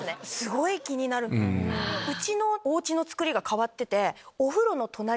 うちおうちの造りが変わってて。